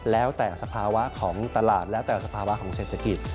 แล้วแต่สภาวะของตลาดแล้วแต่สภาวะของเศรษฐกิจ